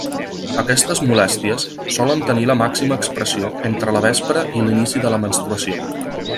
Aquestes molèsties solen tenir la màxima expressió entre la vespra i l'inici de la menstruació.